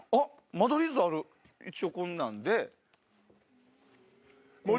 間取り図ある一応こんなんで。